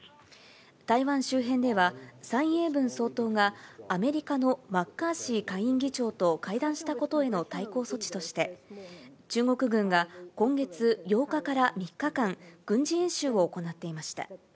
台湾周辺では、蔡英文総統がアメリカのマッカーシー下院議長と会談したことへの対抗措置として、中国軍が今月８日から３日間、軍事演習を行っていました。